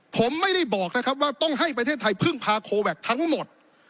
ผมไม่ได้บอกนะครับว่าต้องให้ประเทศไทยพึ่งพาโคแวคทั้งหมด